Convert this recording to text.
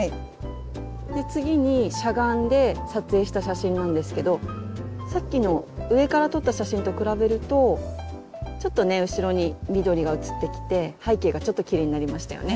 次にしゃがんで撮影した写真なんですけどさっきの上から撮った写真と比べるとちょっとね後ろに緑が写ってきて背景がちょっときれいになりましたよね。